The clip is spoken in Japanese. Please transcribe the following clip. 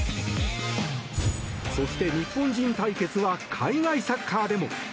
そして日本人対決は海外サッカーでも。